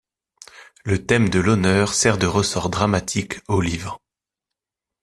Le thème de l’honneur sert de ressort dramatique au livre.